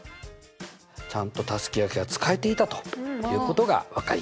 ちゃんとたすきがけが使えていたということが分かりました。